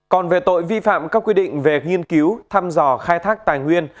còn về tội vi phạm các quy định về nghiên cứu thăm dò khai thác tài nguyên